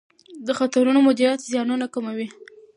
د خطرونو مدیریت زیانونه کموي.